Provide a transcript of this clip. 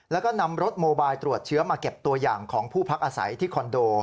แล้วก็นำรถโมบายตรวจเชื้อมาเก็บตัวอย่างของผู้พักอาศัยที่คอนโด